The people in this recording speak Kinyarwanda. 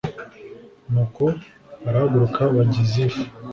Nuko barahaguruka bajya i Zifu